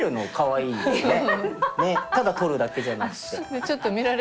ただ取るだけじゃなくて。